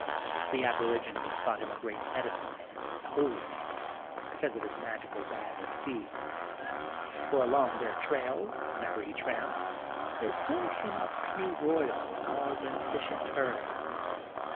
The aborigines thought him a great medicine man and holy man, because of his magical bag of seeds, for along their trails, wherever he tramped, there soon came up pennyroyal and all beneficient herbs.